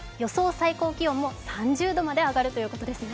最高気温も３０度まで上がるということですね。